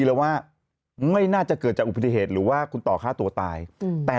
แล้วว่าไม่น่าจะเกิดจากอุบัติเหตุหรือว่าคุณต่อฆ่าตัวตายแต่